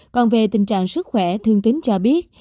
còn về tình trạng sức khỏe thương tính cho biết